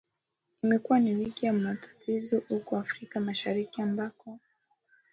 Imekuwa ni wiki ya matatizo huko Afrika Mashariki ambako